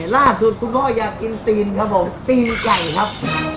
ล่าสุดคุณพ่ออยากกินตีนครับผมตีนไก่ครับ